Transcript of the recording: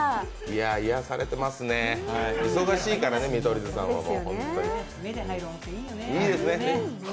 癒やされてますね、忙しいですから見取り図さんは、本当に。